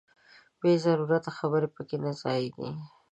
بې ضرورته خبرې پکې نه ځاییږي.